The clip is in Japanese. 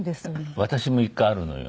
私も１回あるのよ。